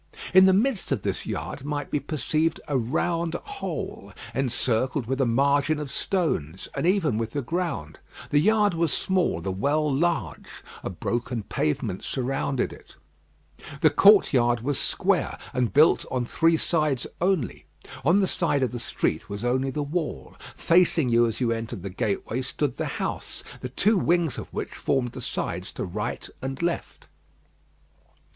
In the midst of this yard might be perceived a round hole, encircled with a margin of stones, and even with the ground. The yard was small, the well large. A broken pavement surrounded it. The courtyard was square, and built on three sides only. On the side of the street was only the wall; facing you as you entered the gateway stood the house, the two wings of which formed the sides to right and left.